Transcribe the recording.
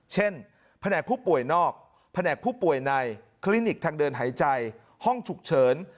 แผนกผู้ป่วยนอกแผนกผู้ป่วยในคลินิกทางเดินหายใจห้องฉุกเฉิน